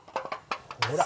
ほら。